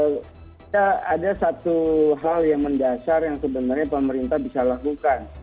kita ada satu hal yang mendasar yang sebenarnya pemerintah bisa lakukan